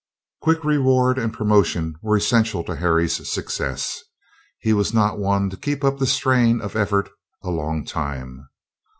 Quick reward and promotion were essential to Harry's success. He was not one to keep up the strain of effort a long time.